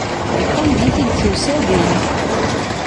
Anda t-id-tusa din.